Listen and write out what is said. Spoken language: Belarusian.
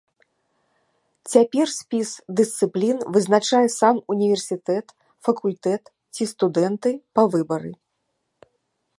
Цяпер спіс дысцыплін вызначае сам універсітэт, факультэт ці студэнты па выбары.